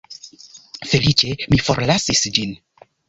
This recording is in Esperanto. Feliĉe mi forlasis ĝin.